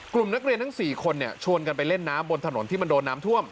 กลุ่มนักเรียนทั้ง๔คนชวนกันไปเล่นน้ำบนถนนที่มันโดนน้ำท่วม